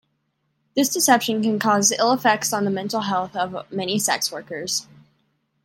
This deception can cause ill effects on the mental health of many sex workers.